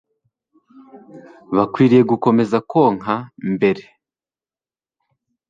bakwiye gukomeza konka mbere